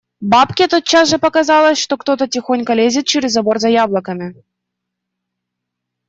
Бабке тотчас же показалось, что кто-то тихонько лезет через забор за яблоками.